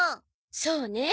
そうね